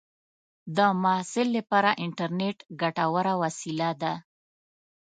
د محصل لپاره انټرنېټ ګټوره وسیله ده.